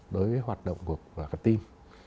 đối với hoạt động của tâm